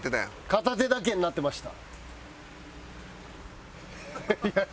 片手だけになってました。